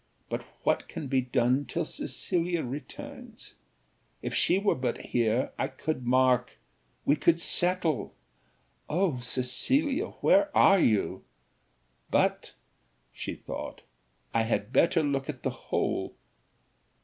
But what can be done till Cecilia returns? If she were but here, I could mark we could settle. O Cecilia! where are you? But," thought she, "I had better look at the whole.